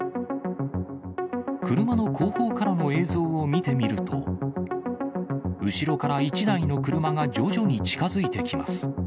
車の後方からの映像を見てみると、後ろから１台の車が徐々に近づいてきます。